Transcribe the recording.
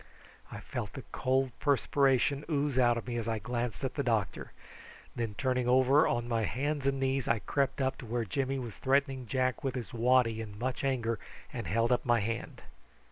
I felt the cold perspiration ooze out of me as I glanced at the doctor. Then turning over on to my hands and knees I crept to where Jimmy was threatening Jack with his waddy in much anger, and held up my hand.